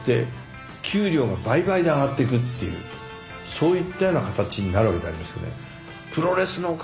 そういったような形になるわけでありますよね。